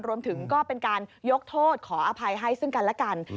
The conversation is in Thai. รวมถึงก็เป็นการยกโทษขออภัยให้ซึ่งกันและกัน